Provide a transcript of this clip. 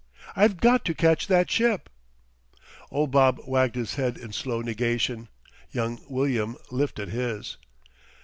I've got to catch that ship!" Old Bob wagged his head in slow negation; young William lifted his.